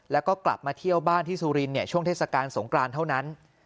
แล้วก็กลับมาเที่ยวบ้านที่สุรินทร์ช่วงเทศกาลสงกรานเท่านั้น